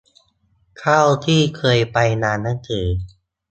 เท่าที่เคยไปร้านหนังสือ